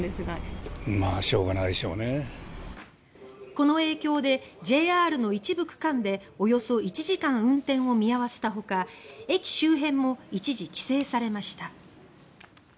この影響でＪＲの一部区間でおよそ１時間運転を見合わせたほか駅周辺も一時規制されました。